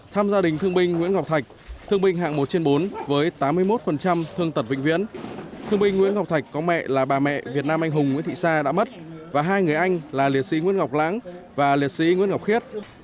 thăm gia đình thương binh nguyễn ngọc thạch thương binh hạng một trên bốn với tám mươi một thương tật vĩnh viễn thương binh nguyễn ngọc thạch có mẹ là bà mẹ việt nam anh hùng nguyễn thị sa đã mất và hai người anh là liệt sĩ nguyễn ngọc lãng và liệt sĩ nguyễn ngọc khiết